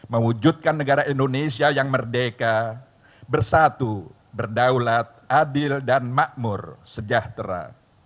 mewujudkan negara indonesia yang merdeka bersatu berdaulat adil dan makmur sejahtera